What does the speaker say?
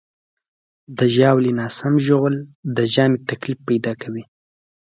د ژاولې ناسم ژوول د ژامې تکلیف پیدا کولی شي.